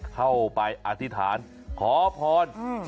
เข้าไปอธิษฐานขอพร